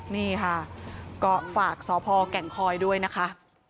นี่ค่ะก็ฝากสพแก่งคอยด้วยนะคะ